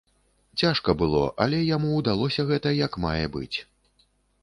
Цяжка было, але яму ўдалося гэта як мае быць.